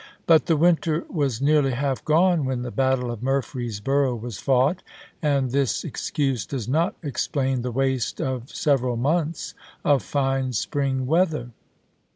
But the winter was nearly half gone when the battle of Murfreesboro was fought, and this excuse does not explain the waste of several months of fine spring weather.